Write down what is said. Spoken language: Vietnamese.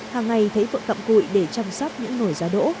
hàng ngày thấy vợ cặm cụi để chăm sóc những nổi giá đỗ